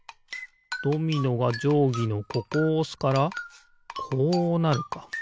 ドミノがじょうぎのここをおすからこうなるか。